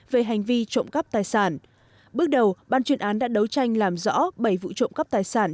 về hành vi trộm cắp tài sản bước đầu ban chuyên án đã đấu tranh làm rõ bảy vụ trộm cắp tài sản